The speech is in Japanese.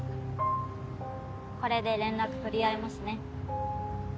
これで連絡取り合えますね。